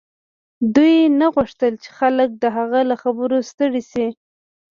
دوی نه غوښتل چې خلک د هغه له خبرو ستړي شي